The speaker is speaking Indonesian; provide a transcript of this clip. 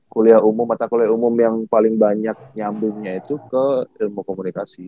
kuliah umum mata kuliah umum yang paling banyak nyambungnya itu ke ilmu komunikasi